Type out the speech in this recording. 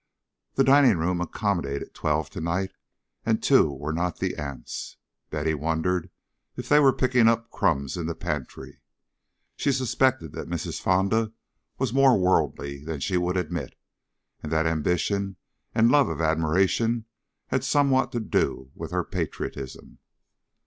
The dining room accommodated twelve tonight, and two were not the aunts. Betty wondered if they were picking up crumbs in the pantry. She suspected that Mrs. Fonda was more worldly than she would admit, and that ambition and love of admiration had somewhat to do with her patriotism.